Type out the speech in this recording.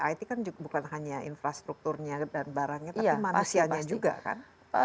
it kan bukan hanya infrastrukturnya dan barangnya tapi manusianya juga kan